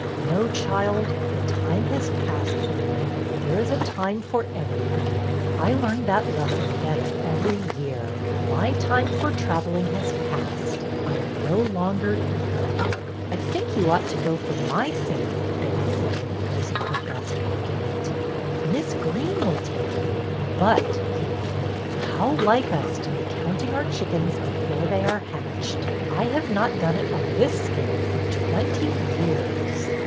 " No, child, the time has passed for me. There is a tipie for everything. I learn that lesson better every year. My time for traveling has passed. I am no longer eager." 270 BETTY BAIRD'S VENTURES I think you ought to go for my sake," Betty said, using her best argument. '' Miss Greene will take you. But," he added, how like us to be counting our chickens before they are hatched! I have not done it on this scale for twenty years."